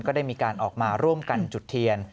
ก็ได้มีการออกมาร่วมกันจุดเทียน